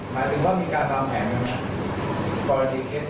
หมายถึงว่ามีการวางแผนหรือไม่